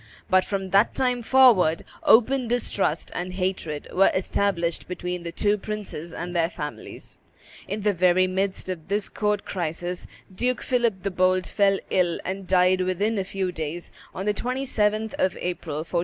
But from that time forward open distrust and hatred were established between the two princes and their families. In the very midst of this court crisis Duke Philip the Bold fell ill and died within a few days, on the 27th of April, 1404.